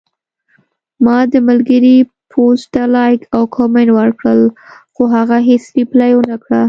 ما د ملګري پوسټ ته لایک او کمنټ ورکړل، خو هغه هیڅ ریپلی ونکړه